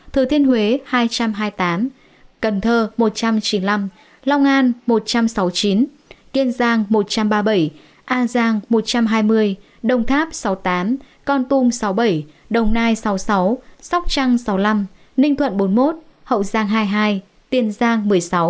thừa thiên huế hai trăm hai mươi tám cần thơ một trăm chín mươi năm long an một trăm sáu mươi chín kiên giang một trăm ba mươi bảy an giang một trăm hai mươi đồng tháp sáu mươi tám con tum sáu mươi bảy đồng nai sáu mươi sáu sóc trăng sáu mươi năm ninh thuận bốn mươi một hậu giang hai mươi hai tiền giang một mươi sáu